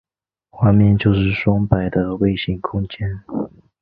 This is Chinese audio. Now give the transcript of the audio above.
环面就是双摆的位形空间。